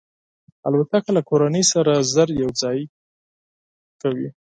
الوتکه له کورنۍ سره ژر یو ځای کوي.